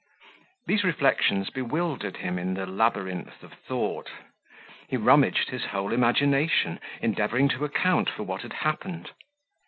These reflections bewildered him in the labyrinth of thought: he rummaged his whole imagination, endeavouring to account for what had happened.